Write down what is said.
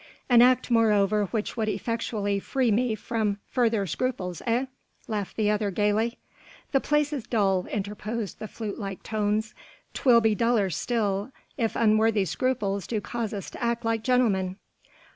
"An act moreover which would effectually free me from further scruples, eh?" laughed the other gaily. "The place is dull," interposed the flute like tones, "'twill be duller still if unworthy scruples do cause us to act like gentlemen."